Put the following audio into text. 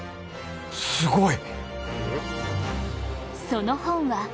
すごい！